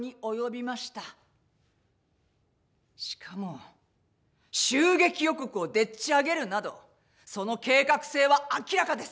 しかも襲撃予告をでっち上げるなどその計画性は明らかです。